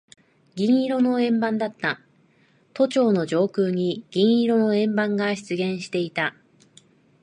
銀色の円盤だった。都庁の上空に銀色の円盤が出現していた。